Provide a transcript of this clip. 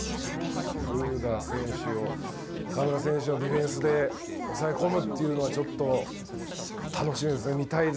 シュルーダー選手を河村選手がディフェンスで抑え込むというのはちょっと楽しみですね。